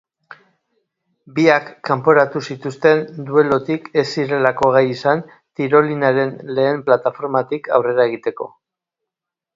Biak kanporatu zituzten duelutik ez zirelako gai izan tirolinaren lehen plataformatik aurrera egiteko.